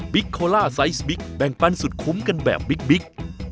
โคล่าไซส์บิ๊กแบ่งปันสุดคุ้มกันแบบบิ๊ก